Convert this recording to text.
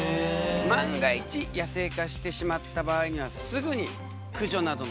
万が一野生化してしまった場合にはすぐに駆除などの対応が必要となるんだ。